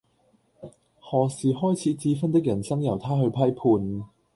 何時開始智勳的人生由他去批判